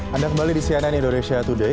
anda kembali di cnn indonesia today